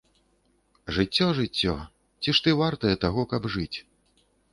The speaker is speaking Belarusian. Жыццё, жыццё, ці ж ты вартае таго, каб жыць?